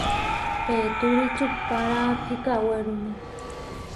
Petúri čuhpára kikawéruma.